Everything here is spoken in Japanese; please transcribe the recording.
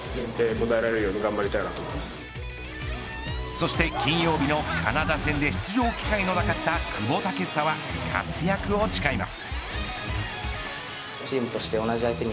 そして金曜日のカナダ戦で出場機会のなかった久保建英は活躍を誓います。